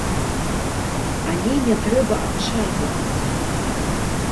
Але не трэба адчайвацца.